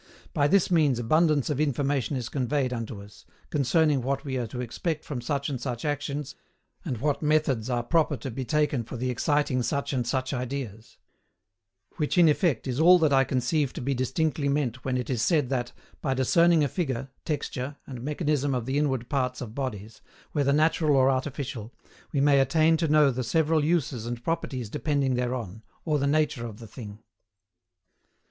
By this means abundance of information is conveyed unto us, concerning what we are to expect from such and such actions and what methods are proper to be taken for the exciting such and such ideas; which in effect is all that I conceive to be distinctly meant when it is said that, by discerning a figure, texture, and mechanism of the inward parts of bodies, whether natural or artificial, we may attain to know the several uses and properties depending thereon, or the nature of the thing.